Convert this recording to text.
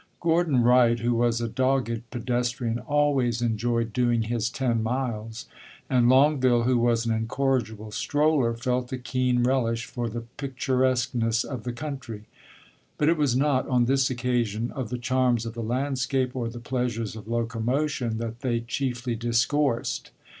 Gordon Wright, who was a dogged pedestrian, always enjoyed doing his ten miles, and Longueville, who was an incorrigible stroller, felt a keen relish for the picturesqueness of the country. But it was not, on this occasion, of the charms of the landscape or the pleasures of locomotion that they chiefly discoursed.